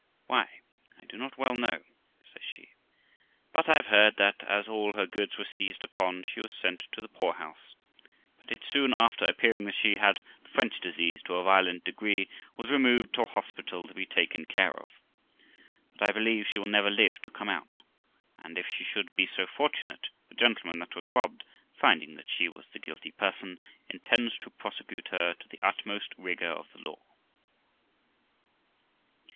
' Why, I do not well know ', says she; 'but I have heard that, as all her goods were seized upon, she was sent to the poor house ; but it soon after appearing that she had the French disease to a violent degree, was removed to a hospital to be taken care of, but I believe she will never live to come out; and if she should be so fortunate, the gentleman that was robbed, finding that she was the guilty person, intends to prosecute her to the utmost rigour of the law.'